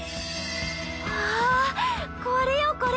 わあこれよこれ。